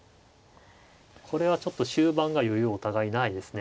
これはちょっと終盤が余裕お互いにないですね。